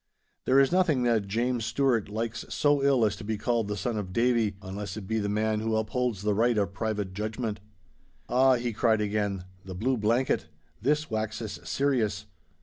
'There is nothing that James Stuart likes so ill as to be called the son of Davie, unless it be the man who upholds the right of private judgment!' 'Ah,' he cried again, 'the Blue Blanket—this waxes serious.